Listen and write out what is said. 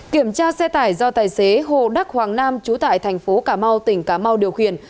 kiểm tra xe tải do tài xế hồ đắc hoàng nam trú tại thành phố cà mau tỉnh cà mau điều khiển